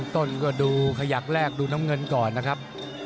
ต้นก็ดูขยักแรกดูน้ำเงินก่อนนะครับ